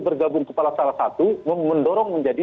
bergabung kepala salah satu mendorong menjadi